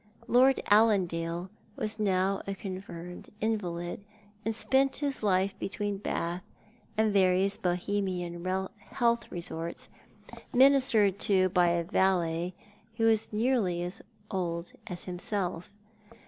Lord Allandale was now a confirmed invalid, and spent his life between Bath and various Bohemian health resorts, ministered to by a valot who was nearly as old as himself.